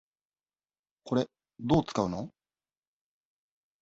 これ、どう使うの？